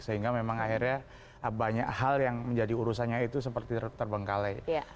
sehingga memang akhirnya banyak hal yang menjadi urusannya itu seperti terbengkalai